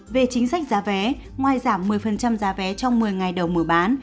về chính sách giá vé ngoài giảm một mươi giá vé trong một mươi ngày đầu mở bán